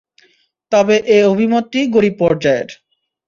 তবে এ অভিমতটি গরীব পর্যায়ের।